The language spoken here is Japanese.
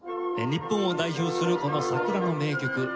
日本を代表するこの『さくら』の名曲。